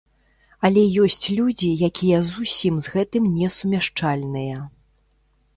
Але ёсць людзі, якія зусім з гэтым не сумяшчальныя.